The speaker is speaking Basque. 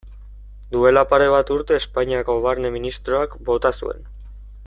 Duela pare bat urte Espainiako Barne ministroak bota zuen.